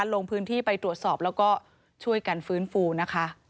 ลงพื้นที่ไปตรวจสอบแล้วก็ช่วยกันฟื้นฟูนะคะ